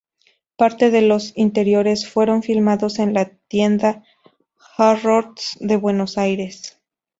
Parte de los interiores fueron filmados en la tienda Harrod’s de Buenos Aires.